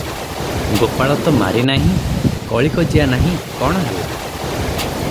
ଗୋପାଳ ତ ମାରି ନାହିଁ, କଳି କଜିଆ ନାହିଁ, କଣ ହେଲା?